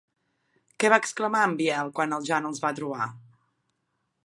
Què va exclamar en Biel quan el Jan els va trobar?